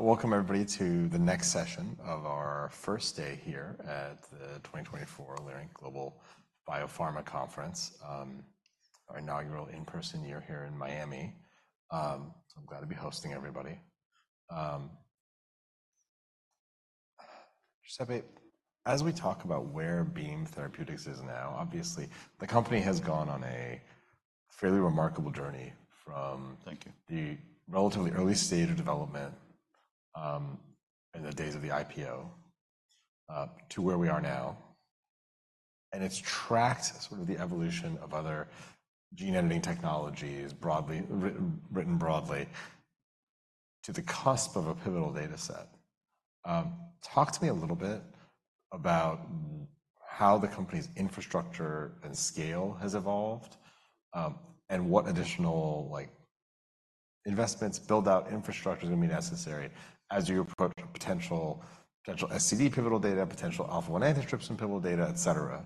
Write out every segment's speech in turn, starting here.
Welcome everybody to the next session of our first day here at the 2024 Leerink Global Biopharma Conference, our inaugural in-person year here in Miami. So I'm glad to be hosting everybody. Giuseppe, as we talk about where Beam Therapeutics is now, obviously, the company has gone on a fairly remarkable journey from- Thank you. the relatively early stage of development, in the days of the IPO, to where we are now. And it's tracked sort of the evolution of other gene editing technologies broadly, written broadly, to the cusp of a pivotal data set. Talk to me a little bit about how the company's infrastructure and scale has evolved, and what additional, like, investments, build-out infrastructure is going to be necessary as you approach potential, potential SCD pivotal data, potential Alpha-1 Antitrypsin pivotal data, et cetera.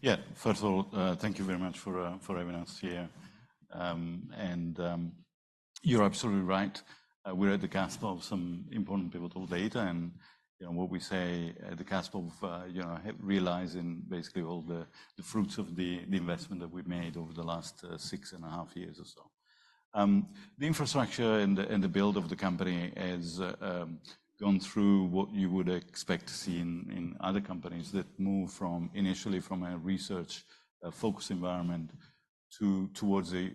Yeah. First of all, thank you very much for having us here. And you're absolutely right. We're at the cusp of some important pivotal data, and, you know, what we say, at the cusp of realizing basically all the fruits of the investment that we've made over the last 6.5 years or so. The infrastructure and the build of the company has gone through what you would expect to see in other companies that move from initially from a research focus environment towards an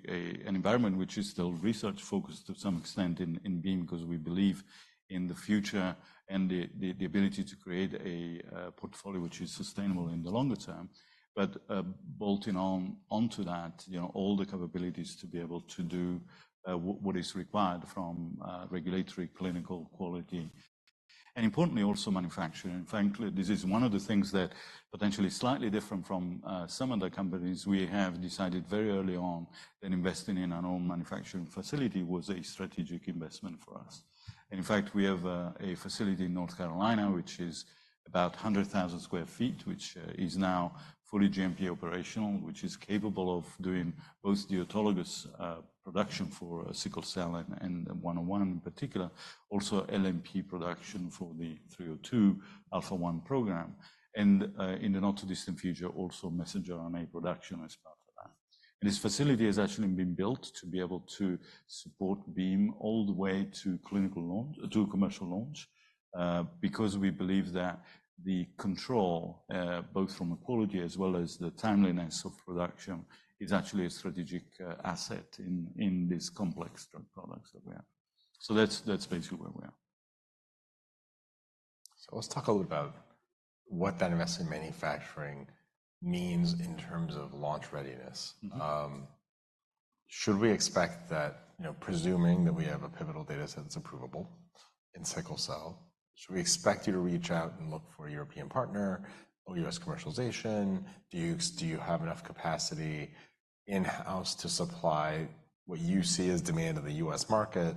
environment which is still research focused to some extent in Beam, because we believe in the future and the ability to create a portfolio which is sustainable in the longer term. But, bolting on onto that, you know, all the capabilities to be able to do, what is required from, regulatory, clinical, quality, and importantly, also manufacturing. And frankly, this is one of the things that potentially slightly different from, some other companies. We have decided very early on that investing in our own manufacturing facility was a strategic investment for us. And in fact, we have a facility in North Carolina, which is about 100,000 sq ft, which is now fully GMP operational, which is capable of doing both the autologous production for sickle cell and 101 in particular, also LNP production for the 302 Alpha-1 program, and in the not-too-distant future, also messenger RNA production as part of that. This facility has actually been built to be able to support Beam all the way to clinical launch to commercial launch, because we believe that the control, both from the quality as well as the timeliness of production, is actually a strategic asset in these complex drug products that we have. So that's, that's basically where we are. So let's talk a little about what that investment in manufacturing means in terms of launch readiness. Should we expect that, you know, presuming that we have a pivotal data set that's approvable in sickle cell, should we expect you to reach out and look for a European partner or U.S. commercialization? Do you have enough capacity in-house to supply what you see as demand in the U.S. market,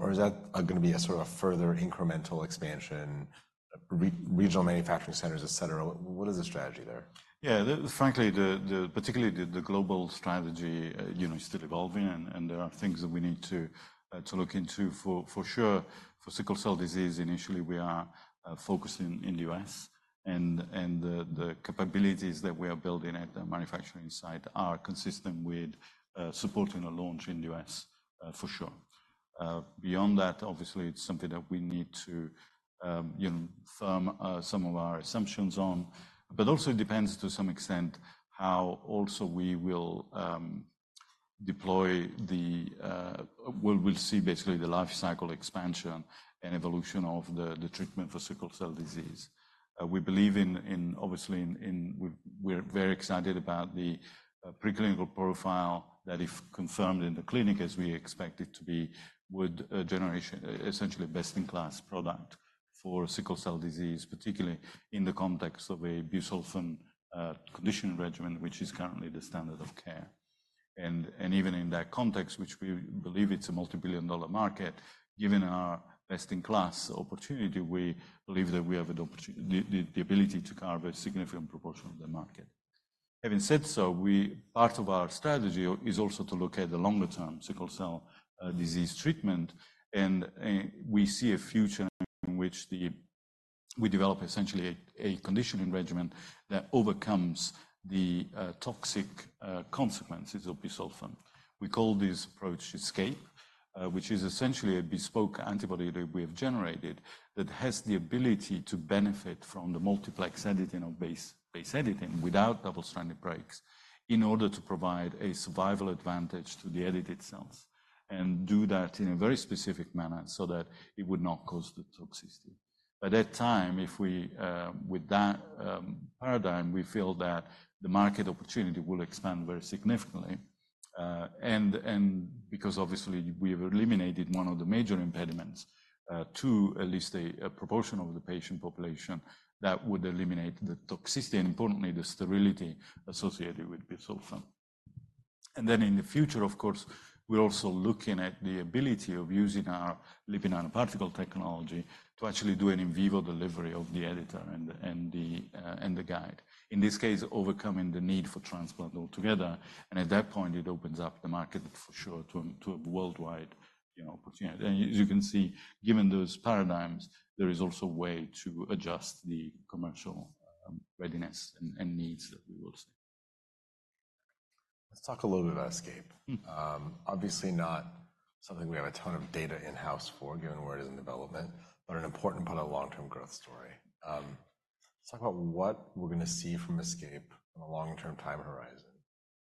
or is that going to be a sort of a further incremental expansion, regional manufacturing centers, etc? What is the strategy there? Yeah, frankly, the global strategy, you know, is still evolving, and there are things that we need to look into for sure. For sickle cell disease, initially, we are focusing in the U.S., and the capabilities that we are building at the manufacturing site are consistent with supporting a launch in the U.S., for sure. Beyond that, obviously, it's something that we need to, you know, firm some of our assumptions on, but also depends to some extent how we will deploy the... We'll see basically the life cycle expansion and evolution of the treatment for sickle cell disease. We believe, obviously, we're very excited about the preclinical profile that, if confirmed in the clinic as we expect it to be, would generate essentially a best-in-class product for sickle cell disease, particularly in the context of a busulfan conditioning regimen, which is currently the standard of care. And even in that context, which we believe it's a multi-billion-dollar market, given our best-in-class opportunity, we believe that we have the ability to carve a significant proportion of the market. Having said so, part of our strategy is also to look at the longer-term sickle cell disease treatment, and we see a future in which we develop essentially a conditioning regimen that overcomes the toxic consequences of busulfan. We call this approach ESCAPE, which is essentially a bespoke antibody that we have generated that has the ability to benefit from the multiplex editing or base, base editing without double-stranded breaks in order to provide a survival advantage to the edited cells, and do that in a very specific manner so that it would not cause the toxicity. By that time, with that paradigm, we feel that the market opportunity will expand very significantly, and because obviously, we've eliminated one of the major impediments to at least a proportion of the patient population that would eliminate the toxicity and importantly, the sterility associated with busulfan. Then in the future, of course, we're also looking at the ability of using our lipid nanoparticle technology to actually do an in vivo delivery of the editor and the guide. In this case, overcoming the need for transplant altogether, and at that point, it opens up the market for sure, to a worldwide, you know, opportunity. And as you can see, given those paradigms, there is also a way to adjust the commercial readiness and needs that we will see. Let's talk a little bit about ESCAPE. Obviously not something we have a ton of data in-house for, given where it is in development, but an important part of long-term growth story. Let's talk about what we're gonna see from ESCAPE on a long-term time horizon.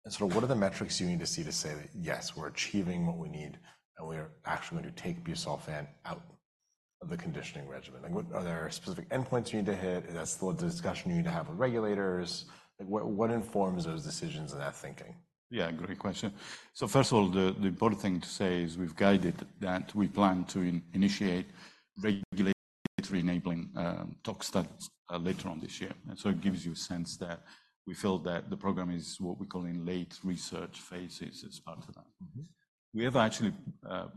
So what are the metrics you need to see to say that, "Yes, we're achieving what we need, and we're actually going to take busulfan out of the conditioning regimen"? Like, are there specific endpoints you need to hit? Is that still a discussion you need to have with regulators? Like, what informs those decisions and that thinking? Yeah, great question. So first of all, the important thing to say is we've guided that we plan to initiate regulatory enabling tox studies later on this year. And so it gives you a sense that we feel that the program is what we call in late research phases as part of that. We have actually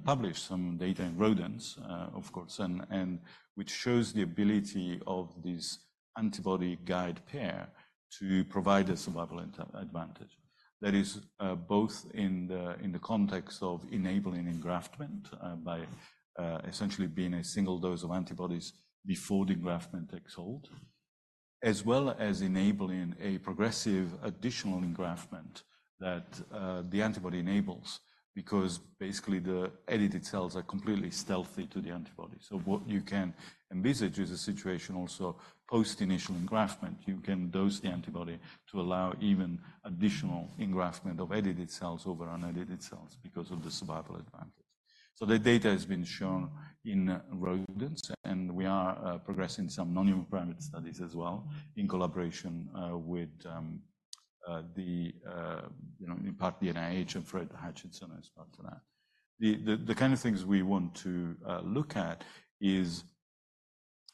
published some data in rodents, of course, and which shows the ability of this antibody guide pair to provide a survival advantage. That is, both in the context of enabling engraftment by essentially being a single dose of antibodies before the engraftment takes hold, as well as enabling a progressive additional engraftment that the antibody enables. Because basically, the edited cells are completely stealthy to the antibody. So what you can envisage is a situation also post-initial engraftment. You can dose the antibody to allow even additional engraftment of edited cells over unedited cells because of the survival advantage. So the data has been shown in rodents, and we are progressing some non-human primate studies as well, in collaboration with the... You know, in part, the NIH and Fred Hutchinson as part of that. The kind of things we want to look at is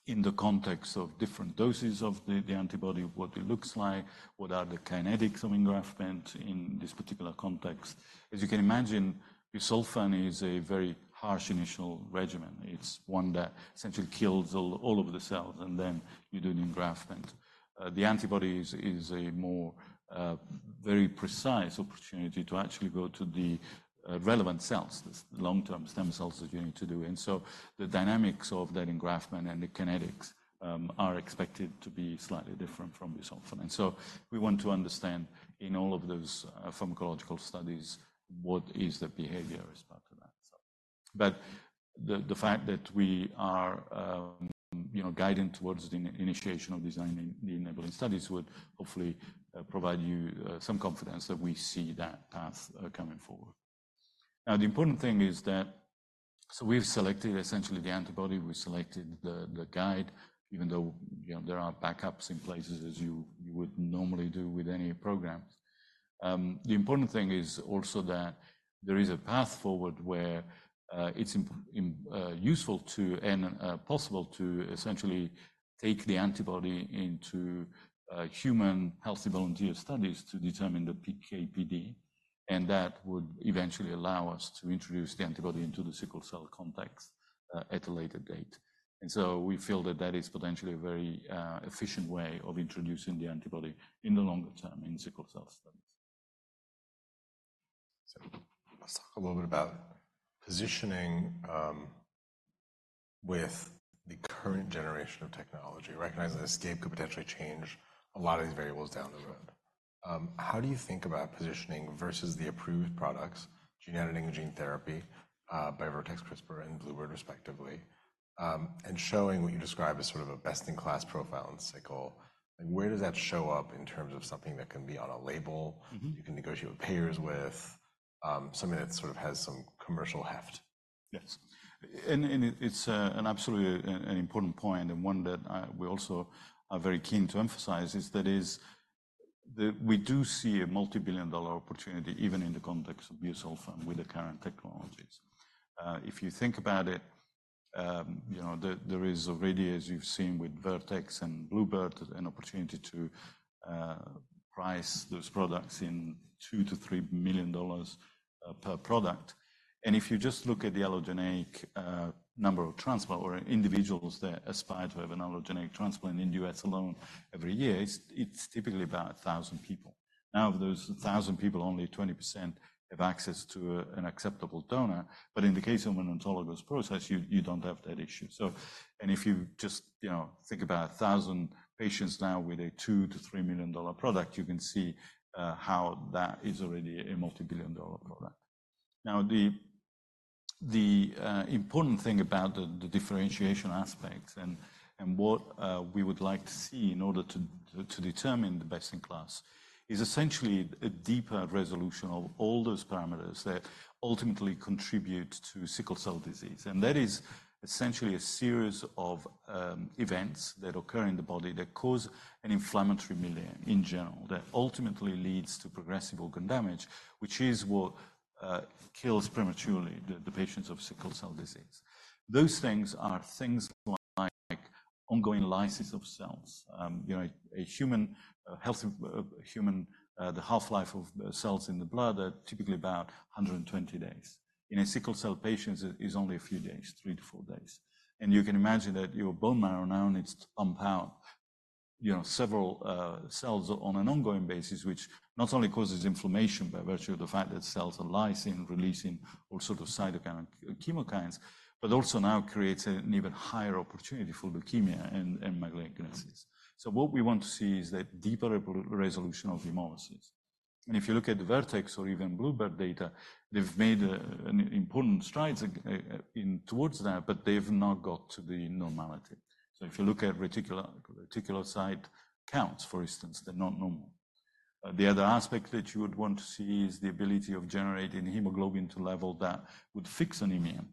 in the context of different doses of the antibody, what it looks like, what are the kinetics of engraftment in this particular context. As you can imagine, busulfan is a very harsh initial regimen. It's one that essentially kills all of the cells, and then you do an engraftment. The antibody is a more very precise opportunity to actually go to the relevant cells, the long-term stem cells, as you need to do. And so the dynamics of that engraftment and the kinetics are expected to be slightly different from busulfan. And so we want to understand, in all of those pharmacological studies, what is the behavior as part of that, so. But the fact that we are, you know, guiding towards the initiation of designing the enabling studies would hopefully provide you some confidence that we see that path coming forward. Now, the important thing is that. So we've selected essentially the antibody. We selected the guide, even though, you know, there are backups in places as you would normally do with any program. The important thing is also that there is a path forward where it's useful to and possible to essentially take the antibody into human healthy volunteer studies to determine the PK/PD, and that would eventually allow us to introduce the antibody into the sickle cell context at a later date. And so we feel that that is potentially a very efficient way of introducing the antibody in the longer term in sickle cell studies. So let's talk a little bit about positioning, with the current generation of technology, recognizing that ESCAPE could potentially change a lot of these variables down the road. Sure. How do you think about positioning versus the approved products, gene editing and gene therapy, by Vertex, CRISPR, and Bluebird, respectively, and showing what you describe as sort of a best-in-class profile in sickle? And where does that show up in terms of something that can be on a label? you can negotiate with payers with, something that sort of has some commercial heft? Yes. And it is an absolutely an important point and one that we also are very keen to emphasize, is that we do see a multi-billion dollar opportunity, even in the context of busulfan with the current technologies. If you think about it, you know, there is already, as you've seen with Vertex and Bluebird, an opportunity to price those products in $2-$3 million per product. And if you just look at the allogeneic number of transplant or individuals that aspire to have an allogeneic transplant in the U.S. alone every year, it is typically about 1,000 people. Now, of those 1,000 people, only 20% have access to an acceptable donor. But in the case of an autologous process, you don't have that issue. So... If you just, you know, think about 1,000 patients now with a $2 million-$3 million product, you can see how that is already a multi-billion-dollar product. Now, the important thing about the differentiation aspects and what we would like to see in order to determine the best in class is essentially a deeper resolution of all those parameters that ultimately contribute to sickle cell disease. That is essentially a series of events that occur in the body that cause an inflammatory milieu in general, that ultimately leads to progressive organ damage, which is what kills prematurely the patients of sickle cell disease. Those things are things like ongoing lysis of cells. You know, a healthy human, the half-life of cells in the blood are typically about 120 days. In a sickle cell patient, it is only a few days, three to four days. And you can imagine that your bone marrow now needs to pump out, you know, several cells on an ongoing basis, which not only causes inflammation by virtue of the fact that cells are lysing, releasing all sorts of cytokines and chemokines, but also now creates an even higher opportunity for leukemia and myeloproliferative diseases. So what we want to see is that deeper resolution of hemolysis. And if you look at the Vertex or even Bluebird data, they've made an important strides in towards that, but they've not got to the normality. So if you look at reticulocyte counts, for instance, they're not normal. The other aspect that you would want to see is the ability of generating hemoglobin to level that would fix anemia.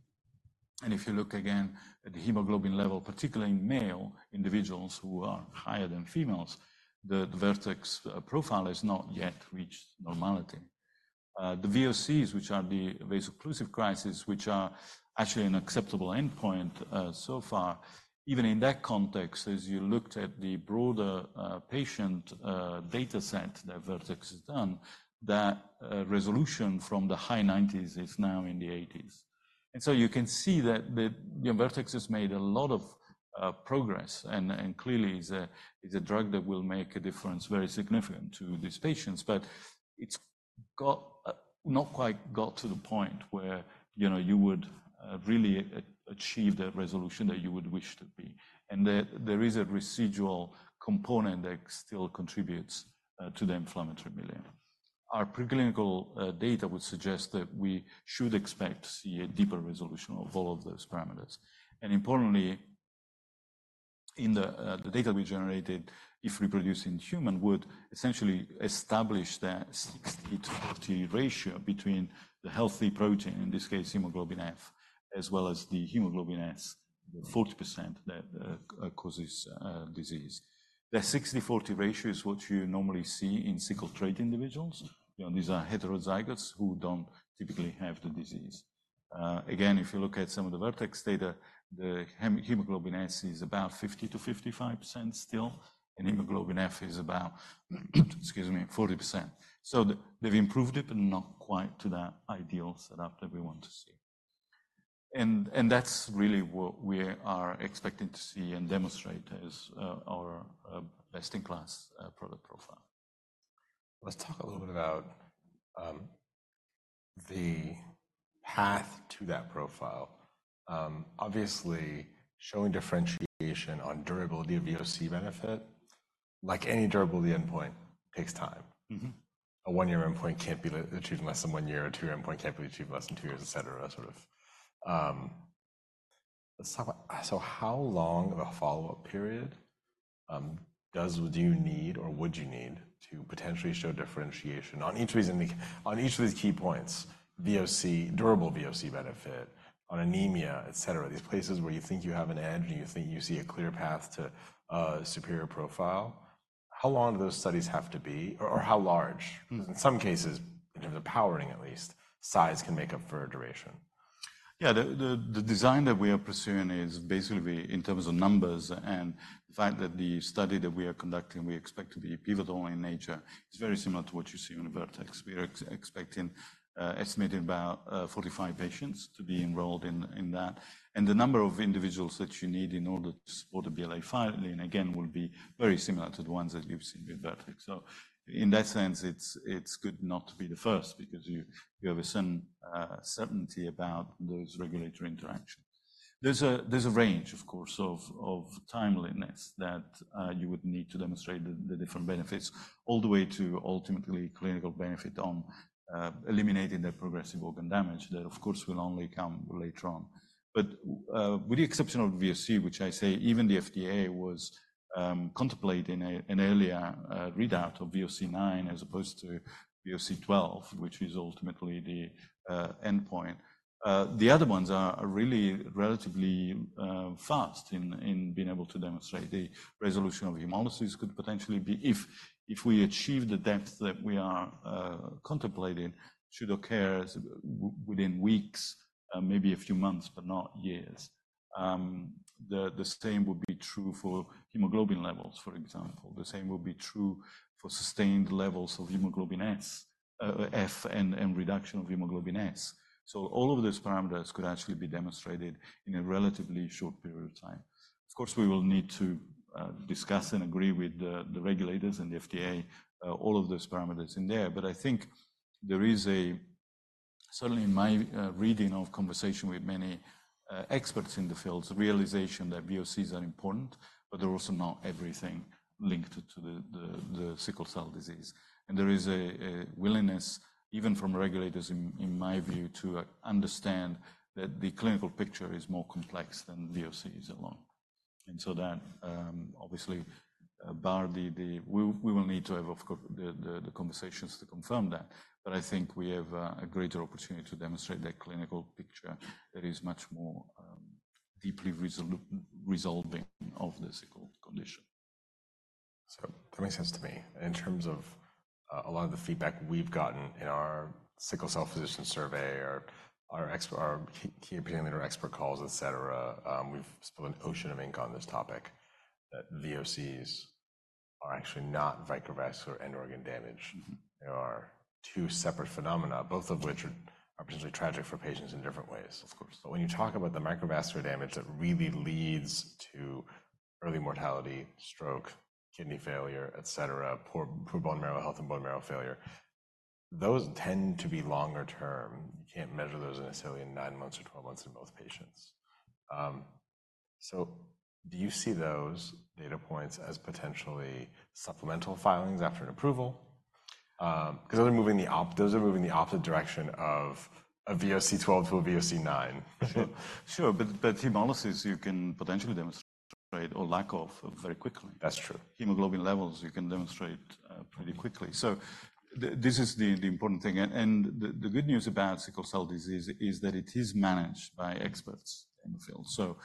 And if you look again at the hemoglobin level, particularly in male individuals who are higher than females, the Vertex profile has not yet reached normality. The VOCs, which are the vaso-occlusive crisis, which are actually an acceptable endpoint, so far, even in that context, as you looked at the broader patient data set that Vertex has done, that resolution from the high 90s is now in the 80s. And so you can see that the, you know, Vertex has made a lot of progress, and clearly is a drug that will make a difference, very significant to these patients. But it's got not quite got to the point where, you know, you would really achieve that resolution that you would wish to be. And there, there is a residual component that still contributes to the inflammatory milieu. Our preclinical data would suggest that we should expect to see a deeper resolution of all of those parameters. And importantly, in the data we generated, if reproduced in human, would essentially establish that 60/40 ratio between the healthy protein, in this case hemoglobin F, as well as the hemoglobin S, the 40% that causes disease. The 60/40 ratio is what you normally see in sickle trait individuals. You know, these are heterozygotes who don't typically have the disease. Again, if you look at some of the Vertex data, the hemoglobin S is about 50%-55% still, and hemoglobin F is about, excuse me, 40%. So they've improved it, but not quite to that ideal setup that we want to see. And that's really what we are expecting to see and demonstrate as our best-in-class product profile. Let's talk a little bit about the path to that profile. Obviously, showing differentiation on durability of VOC benefit, like any durability endpoint, takes time. A one year endpoint can't be achieved in less than one year, a two year endpoint can't be achieved in less than two years, et cetera, sort of. Let's talk about. So how long of a follow-up period do you need or would you need to potentially show differentiation on each of these key points? VOC, durable VOC benefit, on anemia, et cetera. These places where you think you have an edge, and you think you see a clear path to a superior profile, how long do those studies have to be, or how large? In some cases, in terms of powering at least, size can make up for duration. Yeah, the design that we are pursuing is basically, in terms of numbers and the fact that the study that we are conducting, we expect to be pivotal in nature, is very similar to what you see on Vertex. We are expecting, estimating about 45 patients to be enrolled in that. And the number of individuals that you need in order to support a BLA filing, again, will be very similar to the ones that we've seen with Vertex. So in that sense, it's good not to be the first, because you have a certain certainty about those regulatory interactions. There's a range, of course, of timeliness that you would need to demonstrate the different benefits, all the way to ultimately clinical benefit on eliminating the progressive organ damage. That, of course, will only come later on. But, with the exception of VOC, which I say even the FDA was contemplating an earlier readout of VOC 9 as opposed to VOC 12, which is ultimately the endpoint. The other ones are really relatively fast in being able to demonstrate the resolution of hemolysis could potentially be—if we achieve the depth that we are contemplating, should occur within weeks, maybe a few months, but not years. The same would be true for hemoglobin levels, for example. The same would be true for sustained levels of hemoglobin S, F, and reduction of hemoglobin S. So all of those parameters could actually be demonstrated in a relatively short period of time. Of course, we will need to discuss and agree with the regulators and the FDA all of those parameters in there. But I think there is certainly in my reading of conversation with many experts in the field the realization that VOCs are important, but they're also not everything linked to the sickle cell disease. And there is a willingness, even from regulators in my view, to understand that the clinical picture is more complex than VOCs alone. And so that, obviously, barring the—we will need to have, of course, the conversations to confirm that. But I think we have a greater opportunity to demonstrate the clinical picture that is much more deeply resolving of the sickle condition. So that makes sense to me. In terms of a lot of the feedback we've gotten in our sickle cell physician survey or our key opinion leader expert calls, et cetera, we've spilled an ocean of ink on this topic, that VOCs are actually not microvascular and organ damage. They are two separate phenomena, both of which are particularly tragic for patients in different ways. Of course. But when you talk about the microvascular damage that really leads to early mortality, stroke, kidney failure, et cetera, poor, poor bone marrow health and bone marrow failure, those tend to be longer term. You can't measure those necessarily in nine months or 12 months in most patients. So do you see those data points as potentially supplemental filings after an approval? 'Cause those are moving the opposite direction of a VOC 12 to a VOC 9. Sure, but hemolysis, you can potentially demonstrate or lack of, very quickly. That's true. Hemoglobin levels, you can demonstrate pretty quickly. So this is the important thing, and the good news about sickle cell disease is that it is managed by experts in the field. So,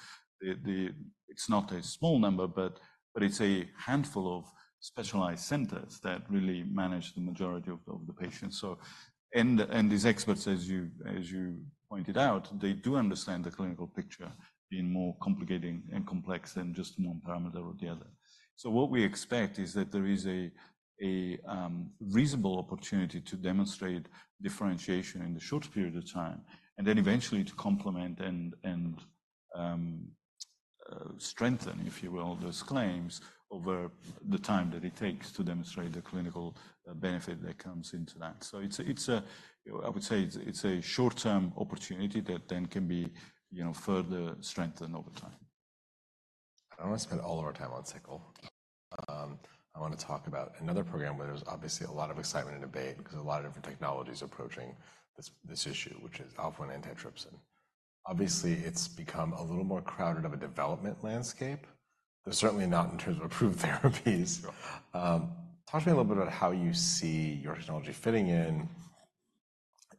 it's not a small number, but it's a handful of specialized centers that really manage the majority of the patients. So, these experts, as you pointed out, they do understand the clinical picture being more complicating and complex than just one parameter or the other. So what we expect is that there is a reasonable opportunity to demonstrate differentiation in the short period of time, and then eventually to complement and strengthen, if you will, those claims over the time that it takes to demonstrate the clinical benefit that comes into that. So it's a... I would say it's a short-term opportunity that then can be, you know, further strengthened over time. I don't want to spend all of our time on sickle. I want to talk about another program where there's obviously a lot of excitement and debate because a lot of different technologies are approaching this, this issue, which is Alpha-1 Antitrypsin. Obviously, it's become a little more crowded of a development landscape, but certainly not in terms of approved therapies. Talk to me a little bit about how you see your technology fitting in,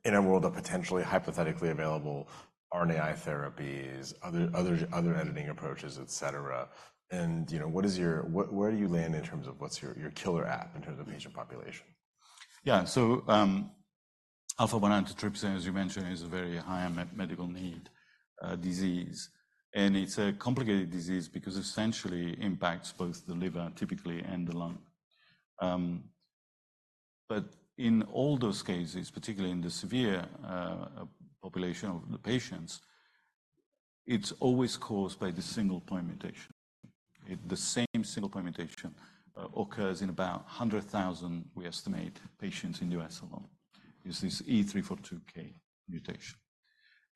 in a world of potentially hypothetically available RNAi therapies, other, other, other editing approaches, et cetera. And, you know, what is your-- where do you land in terms of what's your, your killer app in terms of patient population? Yeah. So, Alpha-1 Antitrypsin, as you mentioned, is a very high medical need disease, and it's a complicated disease because essentially impacts both the liver, typically, and the lung. But in all those cases, particularly in the severe population of the patients, it's always caused by the single point mutation. The same single point mutation occurs in about 100,000, we estimate, patients in U.S. alone, is this E342K mutation.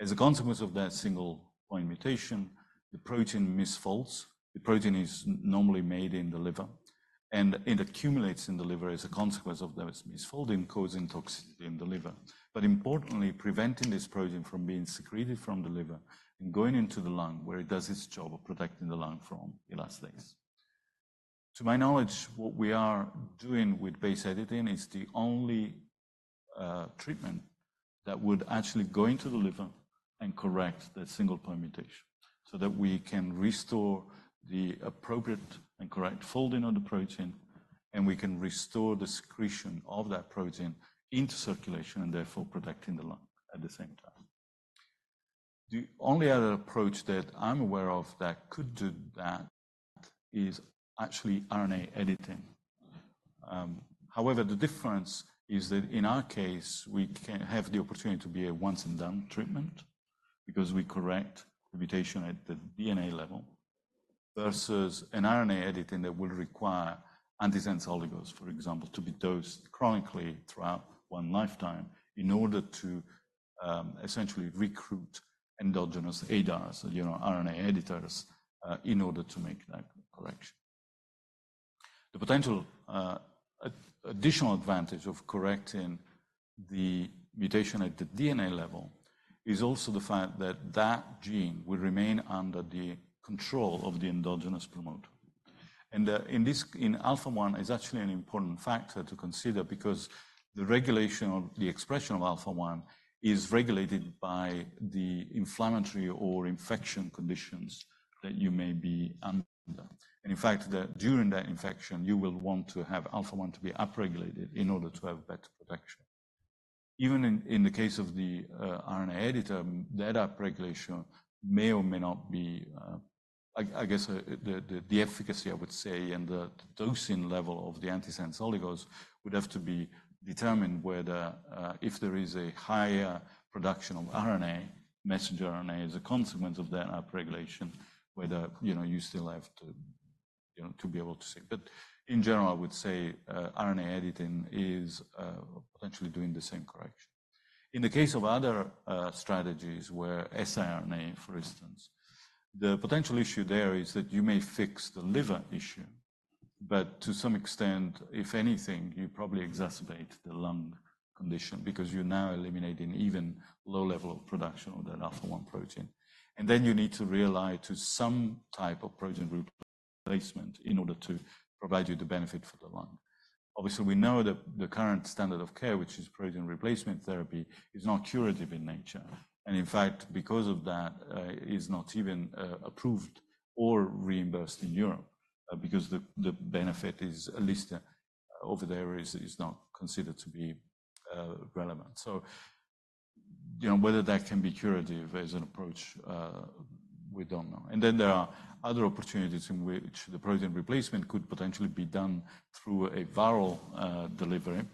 As a consequence of that single point mutation, the protein misfolds. The protein is normally made in the liver, and it accumulates in the liver as a consequence of those misfolding, causing toxicity in the liver. But importantly, preventing this protein from being secreted from the liver and going into the lung, where it does its job of protecting the lung from elastase. To my knowledge, what we are doing with base editing is the only treatment that would actually go into the liver and correct the single point mutation, so that we can restore the appropriate and correct folding of the protein, and we can restore the secretion of that protein into circulation and therefore protecting the lung at the same time. The only other approach that I'm aware of that could do that is actually RNA editing. However, the difference is that in our case, we can have the opportunity to be a once-and-done treatment because we correct the mutation at the DNA level versus an RNA editing that will require antisense oligos, for example, to be dosed chronically throughout one lifetime in order to essentially recruit endogenous ADARs, you know, RNA editors, in order to make that correction. The potential additional advantage of correcting the mutation at the DNA level is also the fact that that gene will remain under the control of the endogenous promoter. And, in this, in alpha-1, is actually an important factor to consider because the regulation of the expression of alpha-1 is regulated by the inflammatory or infection conditions that you may be under. And in fact, that during that infection, you will want to have alpha-1 to be upregulated in order to have better protection. Even in the case of the RNA editor, that upregulation may or may not be... I guess the efficacy, I would say, and the dosing level of the antisense oligos would have to be determined whether if there is a higher production of RNA, messenger RNA, as a consequence of that upregulation, whether, you know, you still have to, you know, to be able to see. But in general, I would say, RNA editing is potentially doing the same correction. In the case of other strategies where siRNA, for instance, the potential issue there is that you may fix the liver issue, but to some extent, if anything, you probably exacerbate the lung condition because you're now eliminating even low level of production of that alpha-1 protein. And then you need to rely to some type of protein replacement in order to provide you the benefit for the lung. Obviously, we know that the current standard of care, which is protein replacement therapy, is not curative in nature, and in fact, because of that, is not even approved or reimbursed in Europe, because the benefit is, at least over there, is not considered to be relevant. So, you know, whether that can be curative as an approach, we don't know. And then there are other opportunities in which the protein replacement could potentially be done through a viral delivery.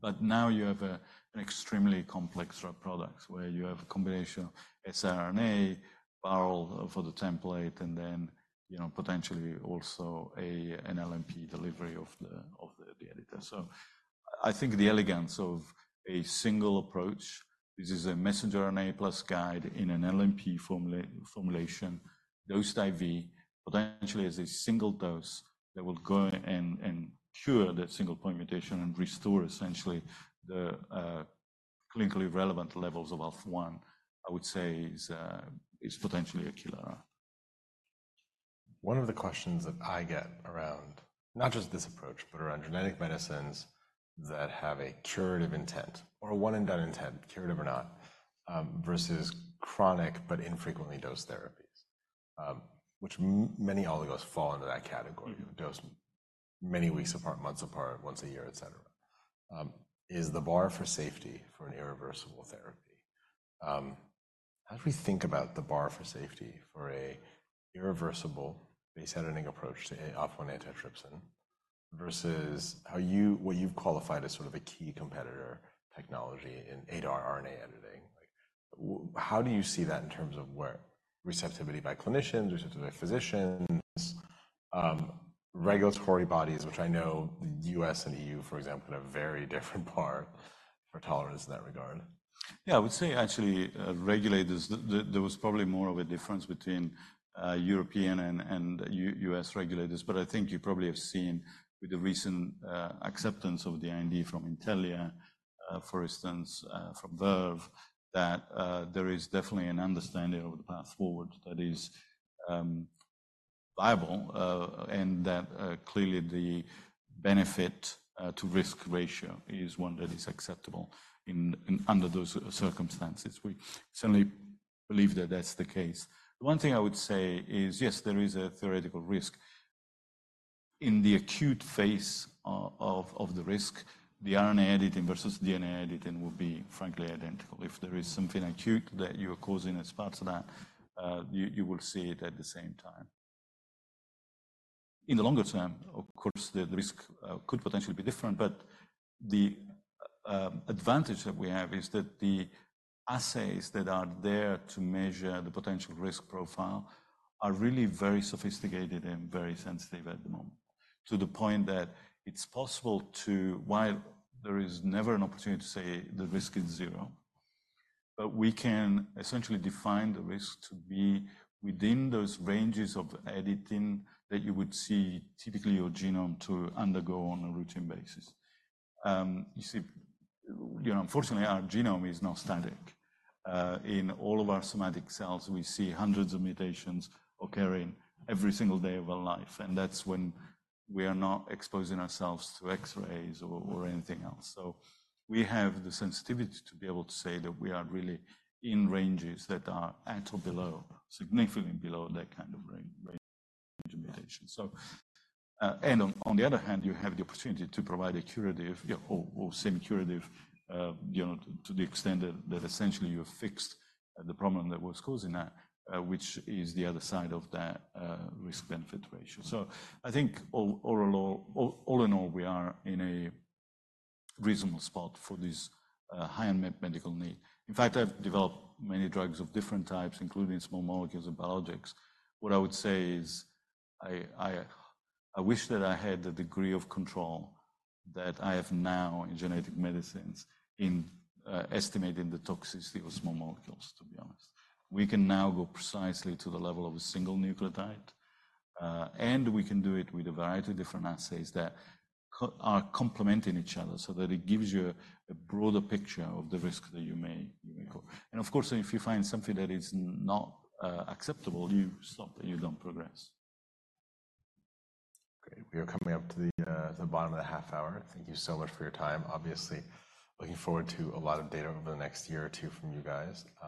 But now you have an extremely complex drug product, where you have a combination of siRNA, viral for the template, and then, you know, potentially also an LNP delivery of the editor. So-... I think the elegance of a single approach, this is a messenger RNA plus guide in an LNP formulation, dosed IV, potentially as a single dose that will go and cure that single point mutation and restore essentially the clinically relevant levels of Alpha-1, I would say is potentially a killer. One of the questions that I get around, not just this approach, but around genetic medicines that have a curative intent or a one-and-done intent, curative or not, versus chronic but infrequently dosed therapies, which many oligos fall into that category- Dosed many weeks apart, months apart, once a year, et cetera, is the bar for safety for an irreversible therapy. How do we think about the bar for safety for a irreversible base editing approach to Alpha-1 Antitrypsin versus how you—what you've qualified as sort of a key competitor technology in ADAR RNA editing? Like, how do you see that in terms of where receptivity by clinicians, receptivity by physicians, regulatory bodies, which I know U.S. and EU, for example, have a very different bar for tolerance in that regard? Yeah, I would say actually, regulators, there was probably more of a difference between European and U.S. regulators. But I think you probably have seen with the recent acceptance of the IND from Intellia, for instance, from Verve, that there is definitely an understanding of the path forward that is viable, and that clearly the benefit-to-risk ratio is one that is acceptable in under those circumstances. We certainly believe that that's the case. One thing I would say is, yes, there is a theoretical risk. In the acute phase of the risk, the RNA editing versus DNA editing will be frankly identical. If there is something acute that you are causing as part of that, you will see it at the same time. In the longer term, of course, the risk could potentially be different, but the advantage that we have is that the assays that are there to measure the potential risk profile are really very sophisticated and very sensitive at the moment, to the point that it's possible to... While there is never an opportunity to say the risk is zero, but we can essentially define the risk to be within those ranges of editing that you would see typically your genome to undergo on a routine basis. You see, you know, unfortunately, our genome is not static. In all of our somatic cells, we see hundreds of mutations occurring every single day of our life, and that's when we are not exposing ourselves to X-rays or anything else. So we have the sensitivity to be able to say that we are really in ranges that are at or below, significantly below that kind of range of mutation. So, and on the other hand, you have the opportunity to provide a curative or semi-curative, you know, to the extent that essentially you have fixed the problem that was causing that, which is the other side of that risk-benefit ratio. So I think all in all, all in all, we are in a reasonable spot for this high unmet medical need. In fact, I've developed many drugs of different types, including small molecules and biologics. What I would say is I wish that I had the degree of control that I have now in genetic medicines, in estimating the toxicity of small molecules, to be honest. We can now go precisely to the level of a single nucleotide, and we can do it with a variety of different assays that are complementing each other so that it gives you a broader picture of the risk that you may incur. Of course, if you find something that is not acceptable, you stop it, you don't progress. Great. We are coming up to the bottom of the half hour. Thank you so much for your time. Obviously, looking forward to a lot of data over the next year or two from you guys.